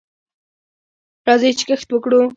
راځئ چې کښت وکړو.